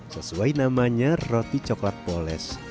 sesuai namanya roti coklat poles